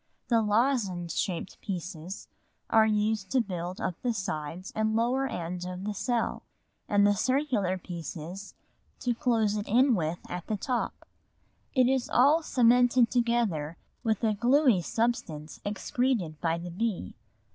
The lozenge shaped pieces are used to build up the sides and lower end of the cell, and the circular pieces to close it in with at the top; it is all cemented together with a gluey substance excreted by the bee.